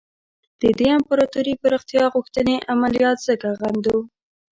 د دې امپراطوري پراختیا غوښتنې عملیات ځکه غندو.